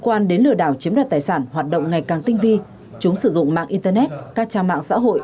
quan đến lừa đảo chiếm đoạt tài sản hoạt động ngày càng tinh vi chúng sử dụng mạng internet các trang mạng xã hội